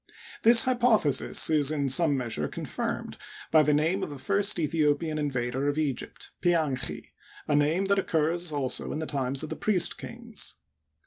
This hypothesis is in some measure con firmed by the name of the first Aethiopian invader of Egypt, Pianchi, a name that occurs also in the times of the priest kings.